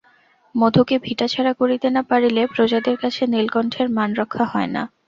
মধুকে ভিটাছাড়া করিতে না পারিলে প্রজাদের কাছে নীলকণ্ঠের মান রক্ষা হয় না।